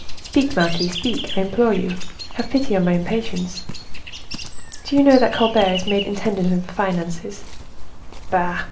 "Speak, marquise, speak! I implore you, have pity on my impatience." "Do you know that Colbert is made intendant of the finances?" "Bah!